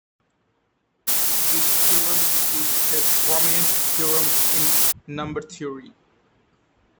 This theorem is a prominent theorem in number theory.